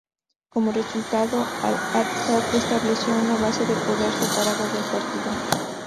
Como resultado, Al-Ásad estableció una base de poder separada del partido.